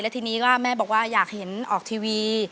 ทีนี้ก็แม่บอกว่าอยากเห็นออกทีวี